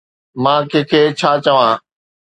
مان ڪنهن کي ڇا چوان؟